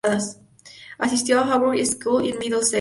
Asistió a la Harrow School en Middlesex.